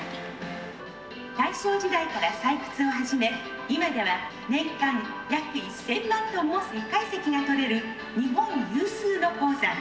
「大正時代から採掘を始め今では年間約１千万トンも石灰石が採れる日本有数の鉱山。